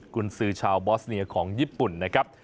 คุณซื้อชาวบอสเนียของญี่ปุ่นนะครับ